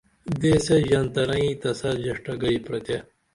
دیسے ژنترئں تسہ ژیڜٹگئی پرتے